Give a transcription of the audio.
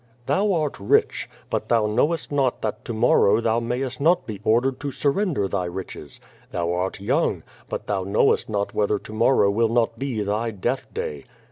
'Thou art rich. But thou knowest not that to morrow thou mayest not be ordered to surrender thy riches. Thou art young. But thou knowest not whether to morrow will not be thy death day.